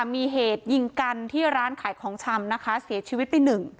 มีเหตุยิงกันที่ร้านขายของชำนะคะเสียชีวิตไปหนึ่ง